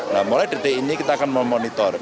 nah mulai detik ini kita akan memonitor